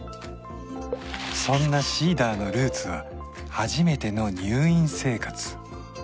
そんなＳｅｅｄｅｒのルーツは初めての入院生活